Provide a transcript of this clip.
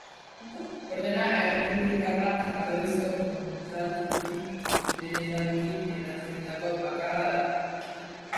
Ordena errepublikarra jatorrizko kontratutik idealki eratorritako bakarra da.